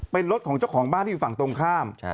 เป็นรถของเจ้าของบ้านที่อยู่ฝั่งตรงข้าม